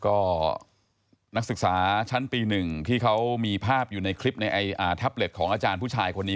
ก็นักศึกษาชั้นปี๑ที่เขามีภาพอยู่ในคลิปในแท็บเล็ตของอาจารย์ผู้ชายคนนี้